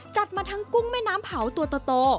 จัดมาทั้งกุ้งแม่น้ำเผาตัวโต